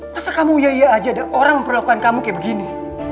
masa kamu iya iya aja ada orang yang perlakukan kamu kayak begini